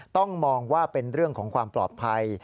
ต้องมองว่าเป็นเรื่องของความปลอดภัย